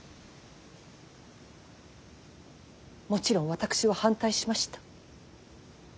もちろん私は反対しました。